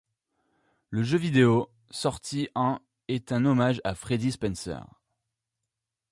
Le jeu vidéo ' sorti en est un hommage à Freddie Spencer.